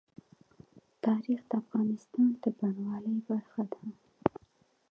تاریخ د افغانستان د بڼوالۍ برخه ده.